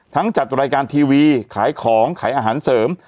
จัดรายการทีวีขายของขายอาหารเสริม